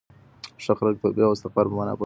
ښه خلک د توبې او استغفار په مانا پوهېږي.